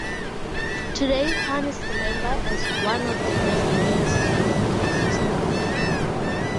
Today, Hoan is remembered as one of the best mayors in American history.